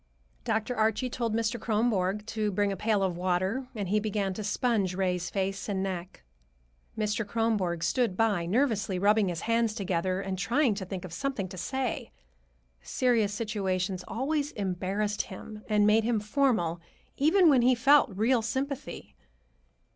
Dr. Archie told Mr. Kronborg to bring a pail of water, and he began to sponge Ray's face and neck. Mr. Kronborg stood by, nervously rubbing his hands together and trying to think of something to say. Serious situations always embarrassed him and made him formal, even when he felt real sympathy.